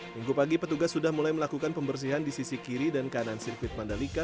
minggu pagi petugas sudah mulai melakukan pembersihan di sisi kiri dan kanan sirkuit mandalika